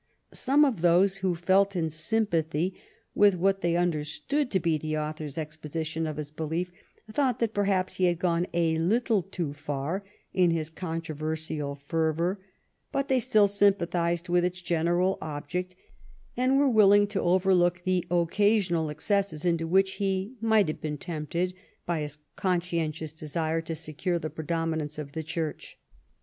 Some of those who felt in sympathy with what they under stood to be the author's exposition of his belief thought that perhaps he had gone a little too far in his con troversial fervor, but they still sympathized with its general object, and were willing to overlook the occa sional excesses into which he might have been tempted by his conscientious desire to secure the predominance of the Church.